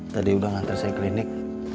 tadi udah ngantri saya ke klinik